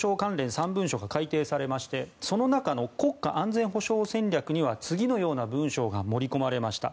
３文書が改定されましてその中の国家安全保障戦略には次のような文章が盛り込まれました。